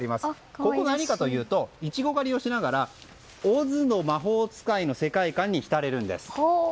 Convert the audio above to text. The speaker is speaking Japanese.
ここは何かというとイチゴ狩りをしながら「オズの魔法使い」の世界観に浸れるんです。